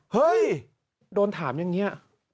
เฮ้ยโดนถามอย่างนี้